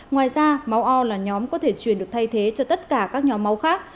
ngoài ra máu o là nhóm có thể truyền được thay thế cho tất cả các nhóm máu khác